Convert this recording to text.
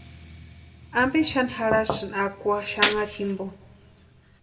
¿Ampe xani jarhasïni akwa xanharu jimpo?